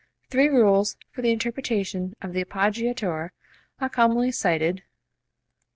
Three rules for the interpretation of the appoggiatura are commonly cited, viz.